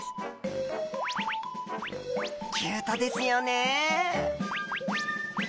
キュートですよね！